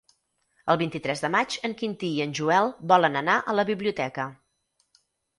El vint-i-tres de maig en Quintí i en Joel volen anar a la biblioteca.